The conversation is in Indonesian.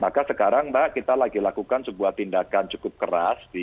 maka sekarang mbak kita lagi lakukan sebuah tindakan cukup keras